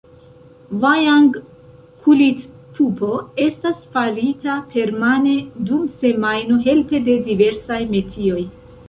Vajang-Kulit-pupo estas farita permane dum semajno helpe de diversaj metioj.